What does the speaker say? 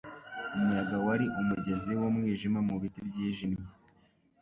Umuyaga wari umugezi wumwijima mubiti byijimye,